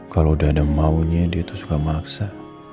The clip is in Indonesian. kalau udah ada maunya dia itu suka maksa